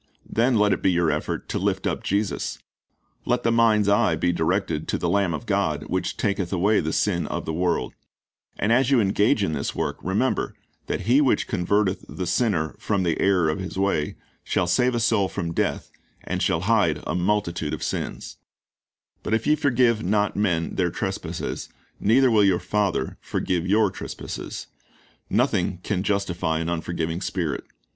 Then let it be your effort to lift up Jesus. Let the mind's eye be directed to "the Lamb of God, which taketh away the sin of the world."" And as you engage in this Avork, remember that "he Avhich 1 Luke 17 : 3, 4 John 1 ; 2x) T Ji c M c asjir c of F o r g iv e ne s s 251 converteth the sinner from the error of his way, shall save a soul from death, and shall hide a multitude of sins." ^ "But if }'e forgive not men their trespasses, neither will your Father forgive your trespasses." " Nothing can justify an unforgiving spirit.